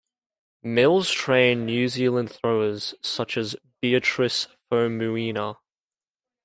Mills trained New Zealand throwers, such as Beatrice Faumuina.